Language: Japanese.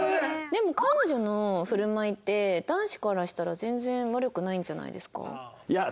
でも彼女の振る舞いって男子からしたら全然悪くないんじゃないですか？